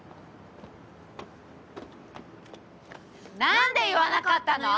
なんで言わなかったの？